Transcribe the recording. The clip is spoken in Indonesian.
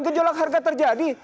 gejolak harga terjadi